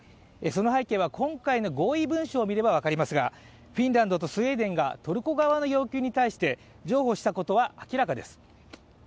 その背景は今回の合意文書を見れば分かりますが、フィンランドとスウェーデンがトルコ側の要求に対して譲歩したことは明らかです。